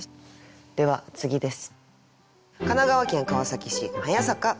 では次です。